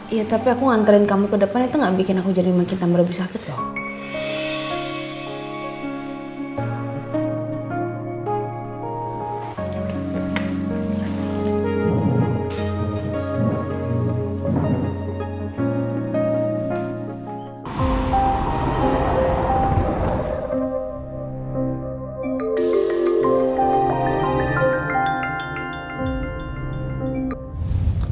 iya tapi aku nganterin kamu ke depan itu nggak bikin aku jadi makin tambah lebih sakit loh